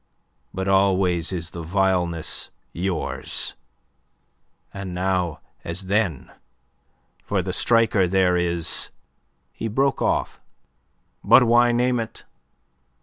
But always is the vileness yours. And now as then for the striker there is..." He broke off. "But why name it?